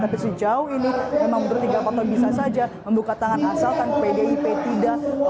tapi sejauh ini memang bertiga faktor bisa saja membuka tangan asalkan pdip tidak